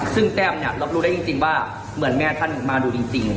ซึ่งแต้มเนี่ยรับรู้ได้จริงว่าเหมือนแม่ท่านมาดูจริง